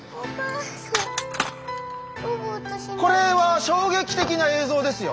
これは衝撃的な映像ですよ。